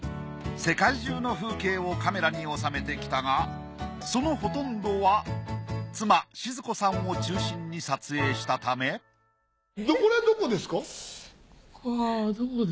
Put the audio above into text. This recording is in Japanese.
世界中の風景をカメラに収めてきたがそのほとんどは妻倭子さんを中心に撮影したためこれどこですか？